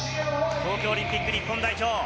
東京オリンピック日本代表。